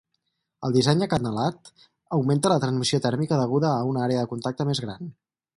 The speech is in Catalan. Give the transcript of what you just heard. El disseny acanalat augmenta la transmissió tèrmica deguda a una àrea de contacte més gran.